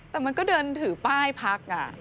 แต่มันก็เดินถือป้ายพัก